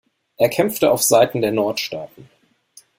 Er kämpfte auf Seiten der Nordstaaten.